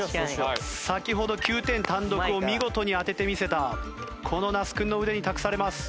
先ほど９点単独を見事に当ててみせたこの那須君の腕に託されます。